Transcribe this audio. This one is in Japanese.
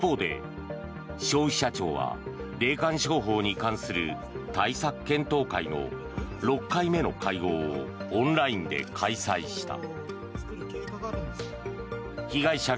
一方で、消費者庁は霊感商法に関する対策検討会の６回目の会合をオンラインで開催した。